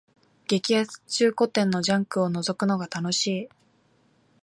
激安中古店のジャンクをのぞくのが楽しい